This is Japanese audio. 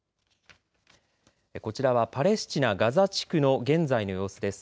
こちらはパレスチナ・ガザ地区の現在の様子です。